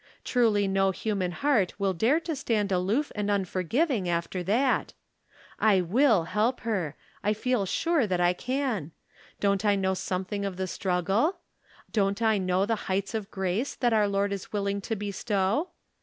Surely no human heart wUl dare to stand aloof and unforgiving after that ! I will help her ; I feel sure that I can. Don't I know something of the struggle ? Don't I know the heights of grace that our Lord is willing to bestow